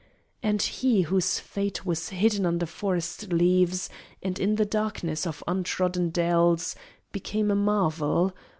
And he Whose fate was hidden under forest leaves And in the darkness of untrodden dells Became a marvel.